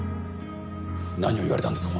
何を言われたんですか？